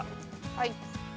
はい。